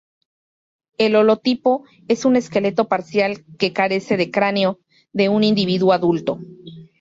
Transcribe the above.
El holotipo es un esqueleto parcial que carece de cráneo, de un individuo adulto.